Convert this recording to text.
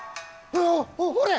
ほれ！